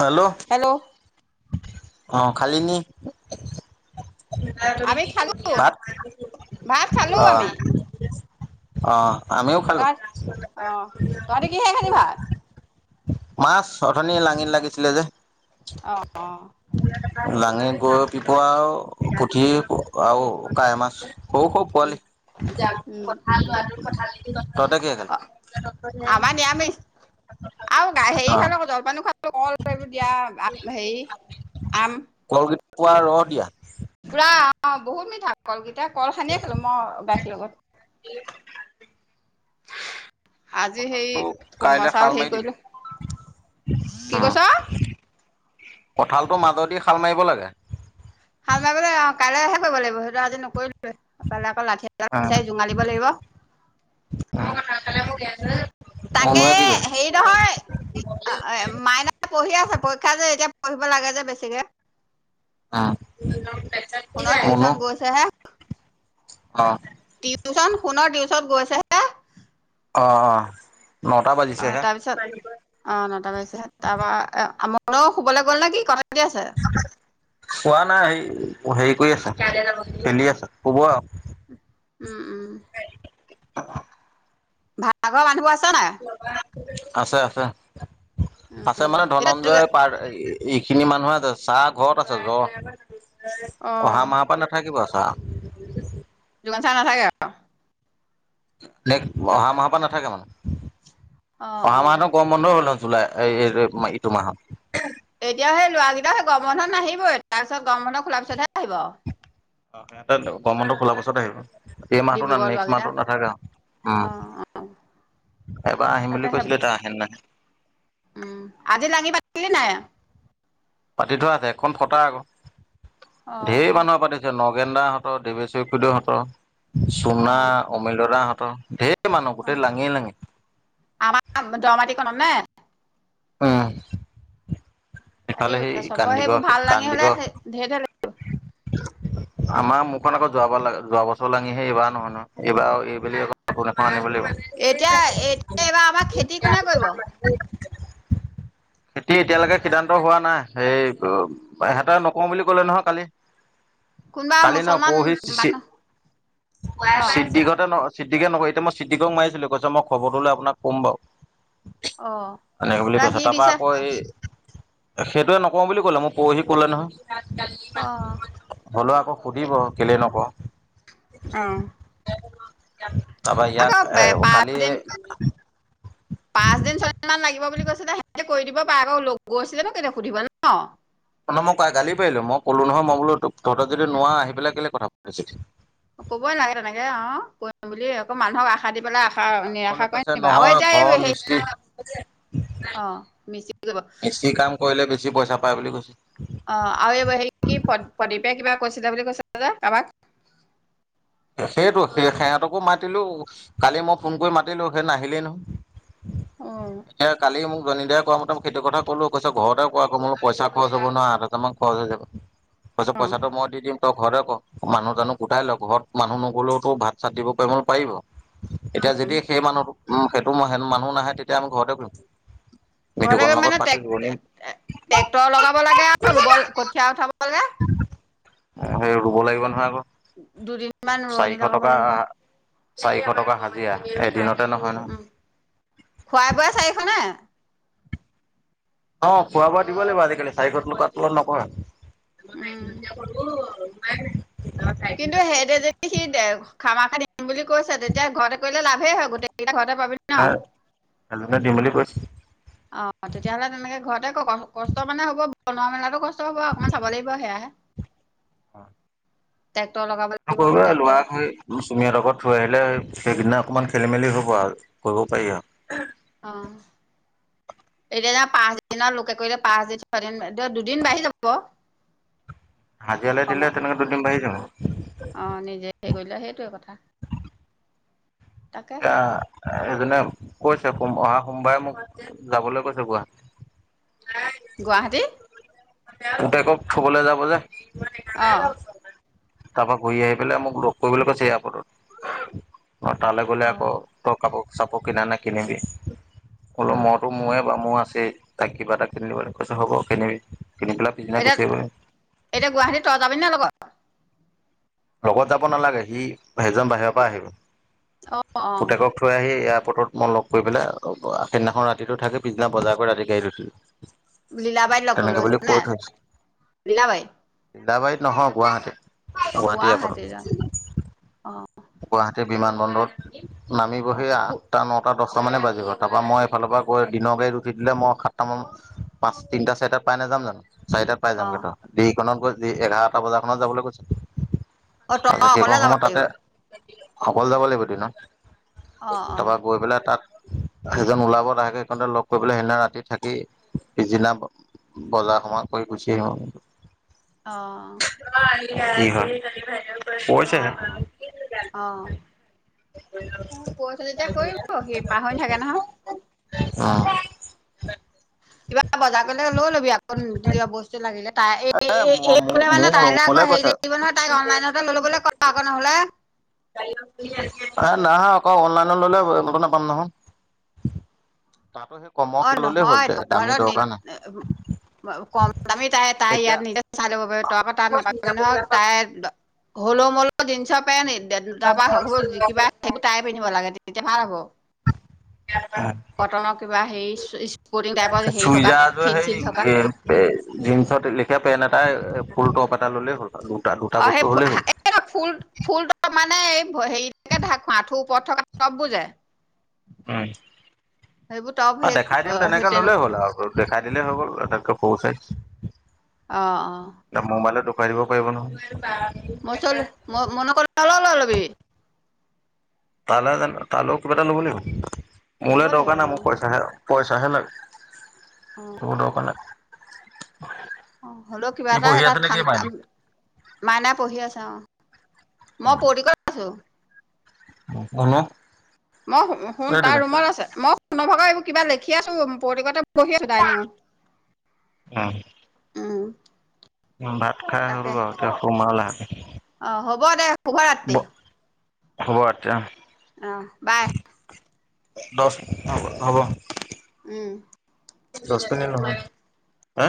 Hello hello অ খালি নি আমি খালো [inaudible] ভাত খালো অ আমি অ আমিও খালো তই অ তহঁতি কিহে খালি ভাত মাছ অথনী লাঙিন লাগিছিলে যে অ অ লাঙি গৈ পিপোৱা সৰু সৰু উম পোৱালি উম তহতে কিহেৰে অ খালি আমাৰ নিৰামিষ অ অল এইবোৰ দিয়া হেৰি আম পুৱা ৰ দিয়া পুৰা অ বহুত মিঠা কলকেই এতিয়া কল খানিয়ে খালো মই গাখীৰ লগত আজি সেই কঁঠালটো কোমৰা কাইলে শাল চাল মাৰি হেৰি দিবি কৰিলো কি উম কৈছো কঁঠালটো মাজেদি খাল মাৰিব লাগে হাল মাৰিবলৈ অ কাইলৈহে কৰিব লাগিব সেইটো আজি নকৰিলে আপোনালৈ অকৌ লাঠি এডাল বিচাৰ জোঙাল দিব লাগিব [inaudible] তাকে মুনুৱে কি হেৰি কৰিলে? নহয় পঢ়িব লাগে যে বেছিকে অ সোণৰ টিউচন গৈছে হে, অ টিউচন, সোণৰ টিউচন চত গৈ আছে হে [inaudible] অ-অঁ। অ' তাৰ পিছত, অ' নটা বাজিছে, তাৰপৰা কোও শুবলৈ গ'ল নে, কি ক গেছে [unintelligible] কোৱা নাই হে, হেৰি কৰি আছে, খেলি আছে, শুব আৰু। উম-উম। ভাৰা ঘৰ মানুহ বোৰ আছে চে নাই? আছে আছে। আছে উম মানে, এতিয়া ধনঞ্জয় পাৰ এইখিনি মানুহে আছে, চাহ ঘৰত আছে, জ্বৰ। অ অহা মাহৰ পৰা নাথাকিবা অ [unintelligible] লঞ্চা নাথাগে আৰু [unintelligible] নেক্স, অহা মাহৰ পৰা নাথাকে মানে। অ অহা অ মাহতো কম বন্ধ হ'ল জুলাই, এ ইটো মাহত [inaudible] এতিয়া সেই লৰা কেইটা সেই গৰ বন্ধত নাহিবই, তাৰ পিছত গৰম বন্ধত খোলাৰ পিছতহে আহিব [inaudible] অ' সিহতে গৰম বন্ধ খোলা গছতে আহিব। এই মাহথো ন ডিব্ৰুগড় নেক্সট ল'ৰাকেইটা মান্থত নাথাকা আৰু, ‌ অ উম। অ এবাৰ আহিম বুলি তাকেহে কৈছিলে, এতিয়া আহে নে নাহে উম আজি লাঙি পাতিছিলি নাই? পাতি থোৱা আছে, এখণ কটা আকৌ। অ ধঢেৰ মানুহ পাতিছে, নগ গেদা সঁতৰ, দেৱেশ চখুদহঁত অ চুনা অমেলৰাত ত ধে অ', আমাৰ দ মাটি কনাম নে? উম। ইফালে ৰাতি সেই চবৰ কান্দিগড় সেইবোৰ ভাল লাঙি হলে, কান্দিগড় ধেৰ হলে [unintelligible] আমাৰ মোৰখন আকৌ যোৱাৰ যোৱ বছৰ লাঙিহে এইবাৰ নহয় নহয়, এইবাৰ [unintelligible] এইব আকৌন এখন আ [unintelligible] মান এতিয়া পছে [unintelligible] এতিয়া এইবাৰ আমাৰ খেতি কোনে কৰিব খেতি এতিয়ালৈকে সিদ্ধান্ত হোৱা নাই, সেই সতে নকওঁ বুলি ক'লে নহয় কালি কোনোবা কালি ন মুছলমান পৰহি মানুহ অ চিদিগতে ন? চিদিকে নকয়, এতি মই চিদিকক মৰিছিলো কৈছে, মই খবৰটো লৈ আপোনাক কম বাৰু। অ এনেকে বুলি কৈছ, সি তাৰ পৰা দিছে আকৌ এই সেইটোয়ে নকওঁ বুলি কলে, মোক পৰহি কলে নহয়। অ হ'লেও আকৌ সুধিব, কেলে নক? অ [unintelligible] তাৰপৰা আকৌ ইয়াক এ কালি পাঁচদিন ছয় মান লাগিব বুলি কৈছিলে। সিহঁতে কৰি দিব পাৰে। আকৌ লগ গৈছিলে ন কেতিয়া সুধিব ন! ন মই ক গালি পাৰিলো। মই ক'লো নহয়, মই বোলো তহঁত যদি নোৱা, আহি পেলাই কেলে কথা পাতিছ? কবই লাগে তেনেকে, অ' কৰিম বুলি আকৌ মানুহক আশা দি পেলাই আ তাক কলে কৈছে নহয়, ঘৰ অ মিস্ত্ৰী কৰিব মিস্ত্ৰী-মিস্ত্ৰী কাম কৰিলে বেছি বেছি পইচা পাই বুলি কৈছে। অ' আৰু এই হেৰি কি প্ৰদীপে কিবা কৈছিলে বুলি কৈছিল যে কাৰোবাক সেইটো, সেই সিহঁতকো মাতিলো কালি মই ফোন কৰি মাতিলো সেই নাহিলেই নহয়। অ', এ কালি মোক- নিদায় কুৱা মতে সেইটো কথা কলো, কৈছ ঘৰতে- ক আকৌ মোৰ পইচা খৰচ হ'ব নহয়, আাত হাজাৰ মান খৰচ হৈ যাব। ত পছত অ', পইচাটো মই দিম। ঘৰে ক মানুহ জানুহ গোটাই লক ঘৰত মানুহ নগ'লেওতো ভাত চাত দিব পাৰিব মই বোলো পাৰিব। এতিয়া যদি সেই মানুহ সেইটোেন মানুহ নাহে, তেতিয়া আমি ঘৰতে কৰিম। মিতুকণ নহলে লগত মানে পাতি ৰোৱনী ট্ৰেক্টৰ লগাব লাগে আৰু ৰুব কঠীয়া উঠাব লাগে। সেই ৰুব লাগিব নহয় আকৌ। [inaudible] দুদিনমান চাৰিশ ৰোৱনী লগাব টকা লাগিব। চাৰিশ টকা হাজিৰা এদিনত। উ খোৱা বোৱা চাৰিখ নে? অ', খোৱা-বোৱা দিব লাগিব। আজিকালি চাৰি ঘত লকো আৰু নকয়। [unintelligible] উম, [unintelligible] কিন্তু সেইটোৱে যদি সি খামা-খাতি বুলি কৈছে, তেতিয়া ঘৰতে কৰিলে লাভেই হয় গোটেই ঘৰতে পাবি ন! এজনে দিম বুলি কৈছে অ' তেতিয়াহলে তেনেকে ঘৰতে কষ্ট মানে হ'ব। বনোৱা মেলাটো ক? কষ্ট হ'ব অকণমান চাব লাগিব সেয়াহে। অহ ', টেক আকৌ এবাৰ লোৱা চুমীয়াৰ লগত থৈ আহিলে। সেইদিনা অকণমান খেলি মেলি হ'ব আৰু কৰিব পাৰি আৰু। অহ ', এতিয়া পাঁচদিনৰ লোকে কৰিলে পাঁচদিন ছয়দিন এতিয়া দুদিন বাঢ়ি যাব। হাজিয়ালে দিলে সময়। তেনেহ'লেটো দিন বাঢ়ি যাব। অ নিজে হেৰি কৰিলে সেইটোৱে কথা তাকে [unintelligible] সেইদিনা কৈছে অহা সোমবাৰে মোক যাবলৈ কৈছে গুৱাহাটী। গুৱাহাটী। পোতেকক থ'বলৈ যাব যে অহ ', তাৰপা ঘূৰি আহি পেলাই মোক লগ কৰিবলৈ কৈছে ইয়াৰপটত। অহ ', তালৈ গ'লে অ আকৌ প্ৰব কাপোৰ চাপোত কিনা নে কিনিবি। কলো অ মইতো ময়ে কিবা মোৰ আছে তাক কিবা এটা কিনিদিব বুলি কৈছে হ'ব কিনিবি। কিনি পেলাই পিছদিনা এতিয়া গুচি আহিব লাগিব। - এতিয়া গুৱাহাটীত তই যাবি নে লগত। লগত যাব নালাগে সি সেইজন বাহিৰৰ পৰা আহিব। অ অ পুতেকক থৈ আহি ইয়াত বত মই লগ কৰি পেলে সেইদিনাখন ৰাতিটো থাকি পিছদিনা বজাৰ কৰি ৰাতি গাড়ত উঠিলো। লীলবাইত তেনেকে লগকৰিবলে বুলি গৈছিলি কৈ ন লীলবাই? লিলাবাৰিত নহয় গুৱাহাটীত। গুৱাহাটীত [unintelligible] গুৱা [unintelligible] অ গুৱাহাটীৰ বিমান বন্দৰত। নামি অ বহি অ আঠটা নটাত দহটামানেই বাজি গ'ল তাৰপৰা মই এইফালৰ পৰা গৈ দিনৰ গাড়ী উঠি দিলে মই সাতটামান পাঁচ তিনিটা চাৰিটাত পাই নাযাম জানো। চাৰিটাত পাই অ যামগৈ ন দেই। [unintelligible] এঘাৰটা বজাৰখনত যাবলৈ কৈছে। অ তই তাৰছত কেইবা অকলে যাব সময়ো লাগিব তাতে অকলে যাব লাগিব অ দিনত। অ তাৰপা গৈ পেলাই তাত সেইজন ওলাব লাহেকে সেইকাৰণতে লগ কৰিবেলেই সেইদিনা ৰাতি থাকি পিছদিনা বজাৰ সমাৰ কৰি গুচি আহিম আৰু। অ ক হৈছে অ অ অ পইচা যেতিয়া কৰিব সি পাহৰি থাকে নহয় অ কিবা বজাৰ কৰিলে লৈ ল'বি আকৌ কিবা বস্তু লাগিলে তাই এ এই এই বোলে মানে মোক তাইলৈ লবলে আকৌ হেৰি কৈছে। লাগিব নহয় তাইক অনলাইনতে ললোবলে ক আকৌ নহলে হ নাহা আকৌ অনলাইনত ললে নাপাম নহয় তাতো সেই কমৰ অ ললেই হ'ল নহয় দে ধ দামী দৰকাৰ নাই। কম দামী তাই তাই এতিয়া ইয়াত নিদ চাই লব পাৰি তাৰ পৰা তাত নাপাবি নহয় তাই হলোমলো জিনচ পেণ তাৰ পৰা সৰু কিবা সেই তাই পন্ধিব লাগে তেতিয়া ভাল হ'ব কটনৰ কিবা হেৰি স্পৰ্টিং টাইপৰ হেৰি চুই থকা যাৰয ফিল চিল থকা সেই জন্চত লেখিয়া পেট আ তাই ফুল টপ এটা ল'লে হ'ল দুটা দুটা অ বস্তু সেই হ'লেই হ'ল। এই ফুল ফুল মানে হেৰিকে ঢাক খুৱা আঁঠু ওপৰত থকা তব বুজে উম সেই দেখাই দিম সেই তেনেকে ল'লেই তেনেকুৱা হ'ল আৰু দেখাই দিলেই হৈ গ'ল আটাইতকৈ খৰুচাই আহ আহ পাৰিব পাৰিব নহয় মই চল মই মন ক অল লবি তালা জ তালেও কিবা এটা ল'ব লে ল'ব মোলৈ লাগিব দৰকাৰ নাই মোৰ অ পইচাহে পইচাহে লাগে অ স দক ন অ হলেও কিবা সি এটা এ পঢ়ি তাত আছে নে কি ঠাণ্া মাইনা? মাইনা পঢ়ি আছে অ মই পতিগত আছো অ মই শুন তাৰ ৰুমত আছে মই শ নভক কিবা লিখি আছো প্ৰতিক ব নি উম উ ভাত খাই হ'ল তাকে বাৰু এ সোমাল আহ [inaudible] অ, হ'ব দে। শুভৰাত্ৰি। হ'ব আচ্ছা, বাই দছ অ হ'ব। উম দছপিনি নহয় হে।